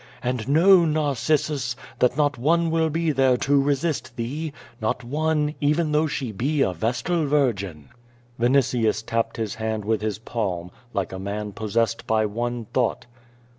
And know, Narcissus, that not one will be there to resist thee, not one, even though she be a vestal virgin.^^ Vinitius tapped his hand with his palm, like a man pos sessed by one thought.